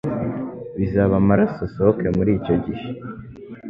bizaba amaraso asohoke muri icyo gihe